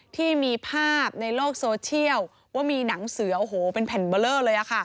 ที่มีภาพในโลกโซเชียลว่ามีหนังเสือโอ้โหเป็นแผ่นเบอร์เลอร์เลย